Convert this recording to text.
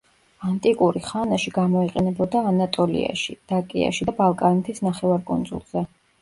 ანტიკური ხანაში გამოიყენებოდა ანატოლიაში, დაკიაში და ბალკანეთის ნახევარკუნძულზე.